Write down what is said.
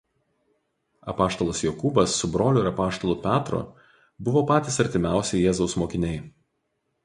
Apaštalas Jokūbas su broliu ir Apaštalu Petru buvo patys artimiausi Jėzaus mokiniai.